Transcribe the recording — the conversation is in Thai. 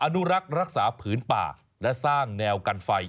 อนุรักษ์รักษาผืนป่าและสร้างแนวกันไฟ